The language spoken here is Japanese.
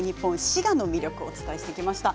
滋賀の魅力をお伝えしました。